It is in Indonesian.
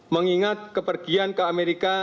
mengingat kepergian ke amerika